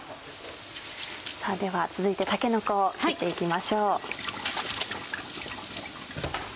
さぁでは続いてたけのこを切っていきましょう。